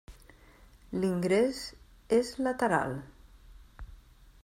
L'ingrés és lateral.